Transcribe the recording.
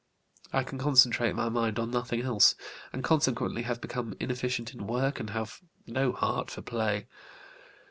I can concentrate my mind on nothing else, and consequently have become inefficient in work and have no heart for play.